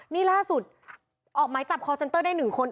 นี่ล่าสุดออกหมายจับคอร์เซนเตอร์ได้๑คน